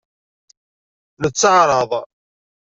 Netteɛṛaḍ.